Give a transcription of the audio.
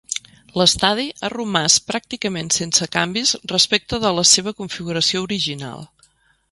L'estadi ha romàs pràcticament sense canvis respecte de la seva configuració original.